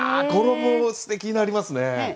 語呂もすてきになりますね！